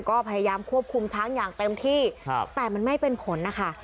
ก็พยายามควบคุมช้างอย่างเต็มที่แต่มันไม่เป็นผลนะคะ